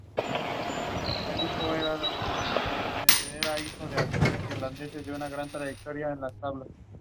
Así pues, enseguida se empezó el proyecto, impulsado económicamente por la Generalitat de Cataluña.